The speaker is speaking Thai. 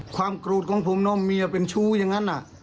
ความโกรธของผมน้องเมียเป็นชู้อย่างนั้น